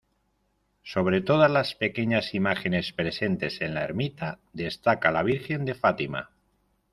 Sobre todas las pequeñas imágenes presentes en la ermita, destaca la Virgen de Fátima.